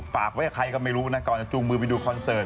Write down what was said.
ฝากไว้กับใครก็ไม่รู้นะก่อนจะจูงมือไปดูคอนเสิร์ต